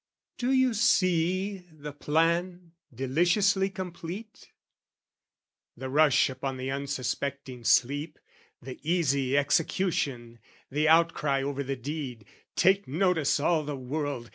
Do you see the plan deliciously complete? The rush upon the unsuspecting sleep, The easy execution, the outcry Over the deed, "Take notice all the world!